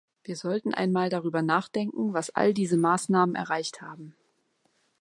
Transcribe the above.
Wir sollten einmal darüber nachdenken, was all diese Maßnahmen erreicht haben.